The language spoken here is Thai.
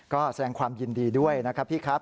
ก็แสดงความยินดีด้วยนะครับพี่ครับ